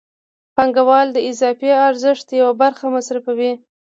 پانګوال د اضافي ارزښت یوه برخه مصرفوي